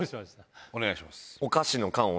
お願いします。